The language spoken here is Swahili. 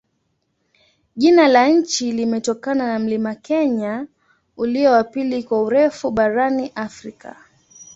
Jina la nchi limetokana na mlima Kenya, ulio wa pili kwa urefu barani Afrika.